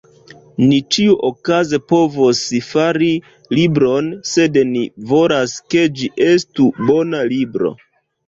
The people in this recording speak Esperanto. Ni ĉiuokaze povos fari libron, sed ni volas ke ĝi estu bona libro.